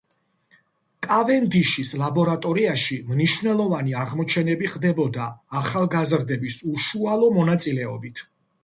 კავენდიშის ლაბორატორიაში მნიშვნელოვანი აღმოჩენები ხდებოდა ახალგაზრდების უშუალო მონაწილეობით.